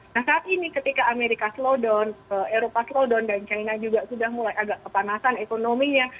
nah saat ini ketika amerika slowdown eropa slodown dan china juga sudah mulai agak kepanasan ekonominya